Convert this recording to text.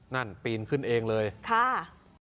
ปีนขึ้นเองเลยค่ะ